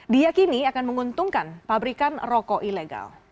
diakini akan menguntungkan pabrikan rokok ilegal